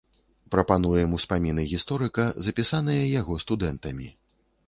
Прапануем ўспаміны гісторыка, запісаныя яго студэнтамі.